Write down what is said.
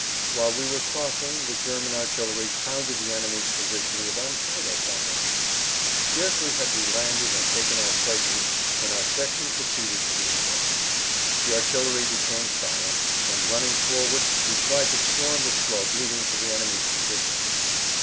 While we were crossing, the German artillery pounded the enemy's position with unheard of violence. Scarcely had we landed and taken our places when our section proceeded to the assault. The artillery became silent, and running forward we tried to storm the slope leading to the enemy positions.